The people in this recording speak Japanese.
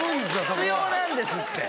必要なんですって。